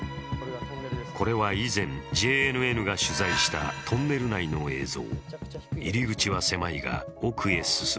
これは以前、ＪＮＮが取材したトンネル内の映像。